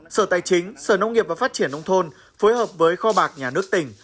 sở tài chính sở nông nghiệp và phát triển nông thôn phối hợp với kho bạc nhà nước tỉnh